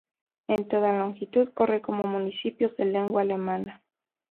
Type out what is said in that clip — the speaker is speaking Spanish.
En toda longitud corre por municipios de lengua alemana.